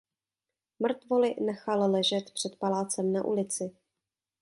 Mrtvoly nechal ležet před palácem na ulici.